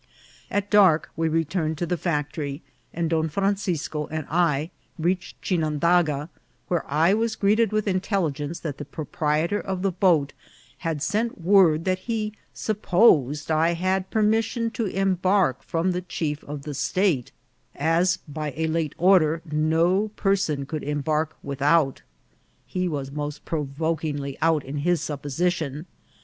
At dark we returned to the factory, and Don Fran cisco and I reached Chinandaga, where I was greeted with intelligence that the proprietor of the boat had sent word that he supposed I had a permission to embark from the chief of the state, as, by a late order, no per son could embark without. He was most provokingly out in his supposition.